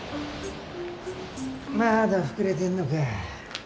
まだ膨れてんのか？